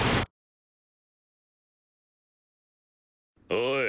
おい。